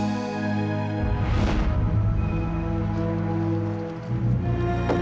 mas aku mau ke mobil